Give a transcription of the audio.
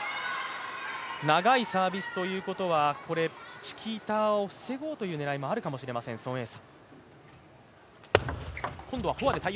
長いサービスということはチキータを防ごうという狙いもあるかも知れません、孫エイ